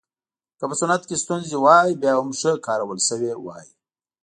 که په صنعت کې ستونزې وای بیا هم ښه کارول شوې وای